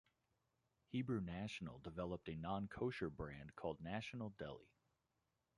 Hebrew National developed a non-kosher brand called "National Deli".